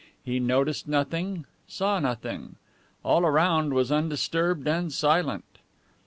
He noticed nothing, saw nothing. All around was undisturbed and silent.